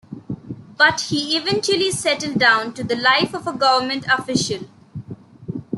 But he eventually settled down to the life of a government official.